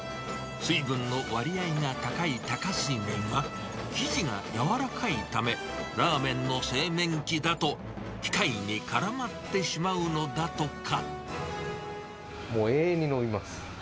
水分の割合が高い多加水麺は、生地がやわらかいため、ラーメンの製麺機だと機械に絡まってしまもう永遠に延びます。